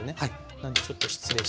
なんでちょっと失礼しまして。